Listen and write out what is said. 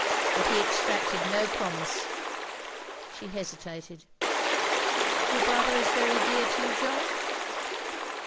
But he extracted no promise." She hesitated. "Your brother is very dear to you, Jeanne?"